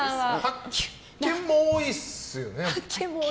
発見も多いですよね。